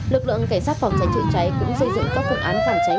lực lượng cảnh sát phòng cháy chữa cháy cũng xây dựng các phương án phòng cháy